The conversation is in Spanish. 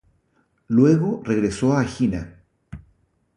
Luego regresó a Egina.